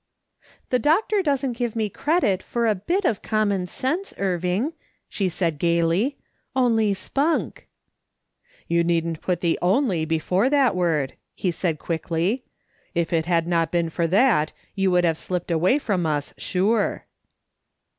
"The doctor doesn't give me credit for a bit of common sense, Irving," she said gaily, " only spunk." " You needn't put the ' only ' before that word," he said, quickly. " If it had not been for that you would have slipped away from us sure."